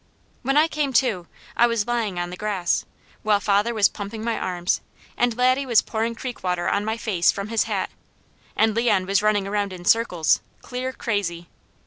When I came to, I was lying on the grass, while father was pumping my arms, and Laddie was pouring creek water on my face from his hat, and Leon was running around in circles, clear crazy.